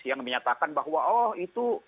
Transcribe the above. yang menyatakan bahwa oh itu